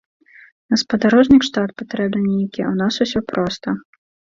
На спадарожнік штат патрэбны нейкі, у нас усё проста.